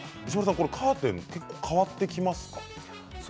カーテンで変わってきますか。